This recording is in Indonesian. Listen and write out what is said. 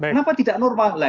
kenapa tidak normal